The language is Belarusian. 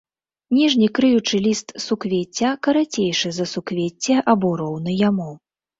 Ніжні крыючы ліст суквецця карацейшы за суквецце або роўны яму.